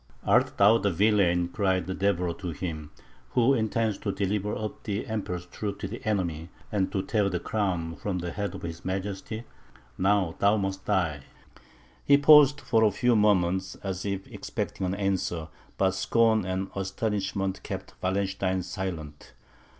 "Art thou the villain," cried Deveroux to him, "who intends to deliver up the Emperor's troops to the enemy, and to tear the crown from the head of his Majesty? Now thou must die!" He paused for a few moments, as if expecting an answer; but scorn and astonishment kept Wallenstein silent.